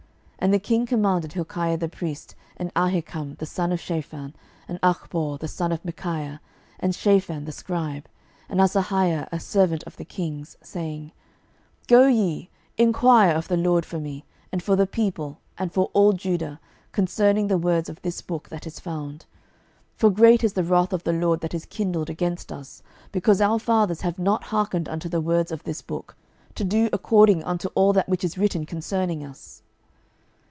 12:022:012 And the king commanded Hilkiah the priest, and Ahikam the son of Shaphan, and Achbor the son of Michaiah, and Shaphan the scribe, and Asahiah a servant of the king's, saying, 12:022:013 Go ye, enquire of the LORD for me, and for the people, and for all Judah, concerning the words of this book that is found: for great is the wrath of the LORD that is kindled against us, because our fathers have not hearkened unto the words of this book, to do according unto all that which is written concerning us.